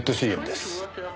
ＣＭです。